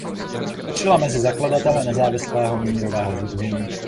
Patřila mezi zakladatele Nezávislého mírového sdružení.